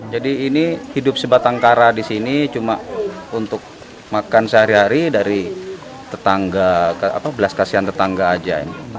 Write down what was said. jadi ini hidup sebatang kara disini cuma untuk makan sehari hari dari belas kasihan tetangga saja